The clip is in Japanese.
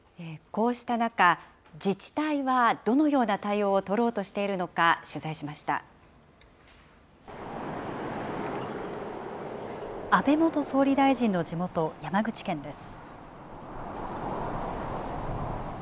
こうした中、自治体はどのような対応を取ろうしているのか、安倍元総理大臣の地元、山口県です。